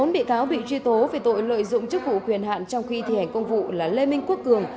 bốn bị cáo bị truy tố về tội lợi dụng chức vụ quyền hạn trong khi thi hành công vụ là lê minh quốc cường